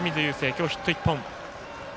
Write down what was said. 今日、ヒット１本。